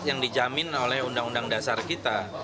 yang dijamin oleh undang undang dasar kita